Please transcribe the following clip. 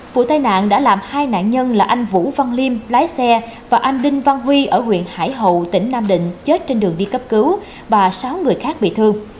vụ tai nạn đã làm hai nạn nhân là anh vũ văn liêm lái xe và anh đinh văn huy ở huyện hải hậu tỉnh nam định chết trên đường đi cấp cứu và sáu người khác bị thương